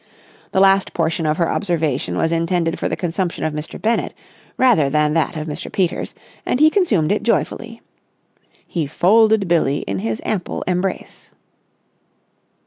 The last portion of her observation was intended for the consumption of Mr. Bennett, rather than that of Mr. Peters, and he consumed it joyfully. He folded Billie in his ample embrace.